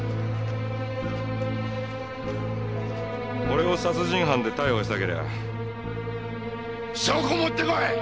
俺を殺人犯で逮捕したけりゃ証拠持ってこい！